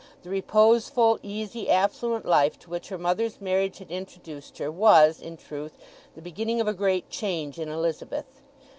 The reposeful, easy, affluent life to which her mother's marriage had introduced her was, in truth, the beginning of a great change in Elizabeth.